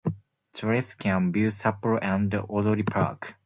Tourists can view Sapporo and Odori Park.